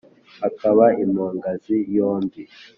Akaba impogazi yombi.